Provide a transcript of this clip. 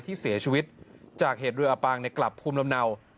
ที่เสียชีวิตจากเหตุเรืออปางกลับภูมิลำเนา